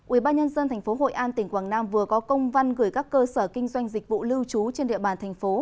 ủy ban nhân dân tp hội an tỉnh quảng nam vừa có công văn gửi các cơ sở kinh doanh dịch vụ lưu trú trên địa bàn thành phố